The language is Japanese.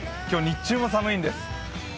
今日、日中も寒いんです。